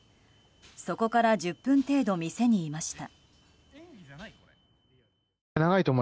そこから１０分程度店にいました。